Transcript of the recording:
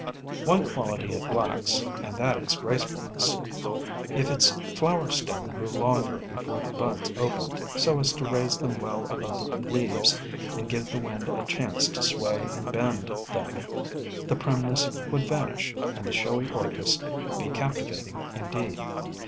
One quality it lacks, and that is gracefulness. If its flower stem grew longer before the buds opened, so as to raise them well above the leaves and give the wind a chance to sway and bend them, the primness would vanish, and the Showy Orchis be captivating indeed.